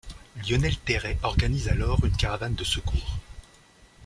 Lionel Terray organise alors une caravane de secours.